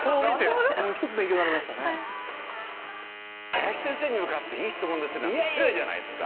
林先生に向かって「いい質問ですね」なんて失礼じゃないですか。